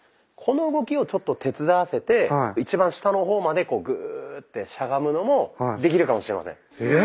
この動きをちょっと手伝わせて一番下の方までこうグーッてしゃがむのもできるかもしれません。